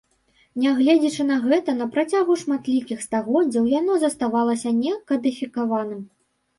Нягледзячы на гэта, на працягу шматлікіх стагоддзяў яно заставалася не кадыфікаваным.